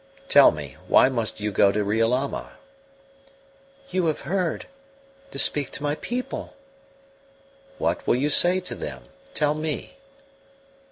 "Tell me, why must you go to Riolama?" "You have heard. To speak to my people." "What will you say to them? Tell me."